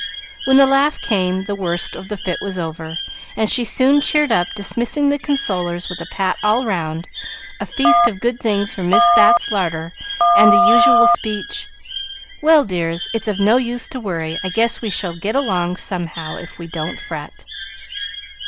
When the laugh came, the worst of the fit was over, and she soon cheered up, dismissing the consolers with a pat all round, a feast of good things from Miss Bat's larder, and the usual speech: "Well, dears, it's of no use to worry. I guess we shall get along somehow, if we don't fret."